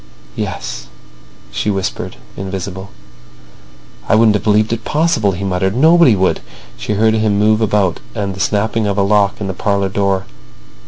"Yes," she whispered, invisible. "I wouldn't have believed it possible," he muttered. "Nobody would." She heard him move about and the snapping of a lock in the parlour door.